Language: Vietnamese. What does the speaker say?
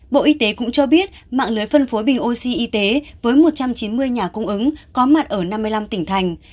bộ y tế cũng cho biết mạng lưới phân phối bình oxy y tế với một trăm chín mươi nhà cung ứng có mặt ở năm mươi năm tỉnh thành